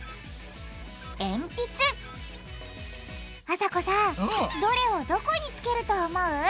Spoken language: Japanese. あさこさんどれをどこにつけると思う？